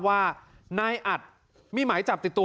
ส่งมาขอความช่วยเหลือจากเพื่อนครับ